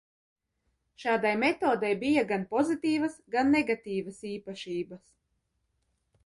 Šādai metodei bija gan pozitīvas, gan negatīvas īpašības.